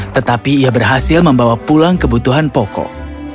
tetapi ia berhasil membawa pulang kebutuhan pokok